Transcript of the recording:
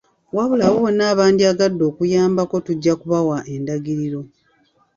Wabula abo bonna abandyagadde okuyambako tujja kubawa endagiriro.